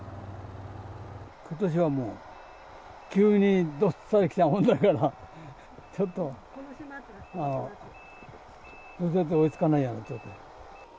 ことしはもう、急にどっさりきたもんだから、ちょっと除雪追いつかないような状態。